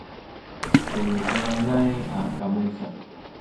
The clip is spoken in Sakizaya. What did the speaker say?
u sananay a kamu sa